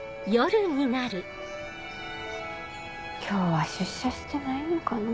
今日は出社してないのかな。